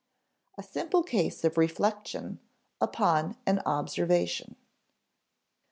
[Sidenote: A simple case of reflection upon an observation] 2.